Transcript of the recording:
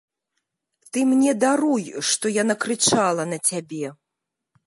Ты мне даруй, што я накрычала на цябе.